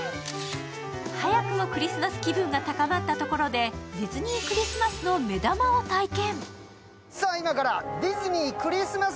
早くもクリスマス気分が高まったところでディズニー・クリスマスの目玉を体験。